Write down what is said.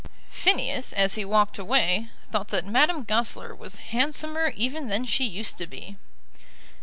Phineas as he walked away thought that Madame Goesler was handsomer even than she used to be.